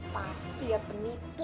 pasti ya penipu